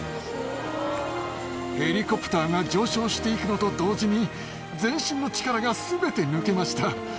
ヘリコプターが上昇していくのと同時に、全身の力がすべて抜けました。